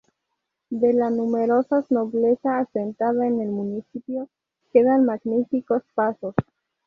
De la numerosas nobleza asentada en el municipio, quedan magníficos pazos.